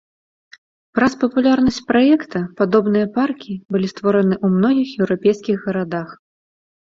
Праз папулярнасць праекта падобныя паркі былі створаны ў многіх еўрапейскіх гарадах.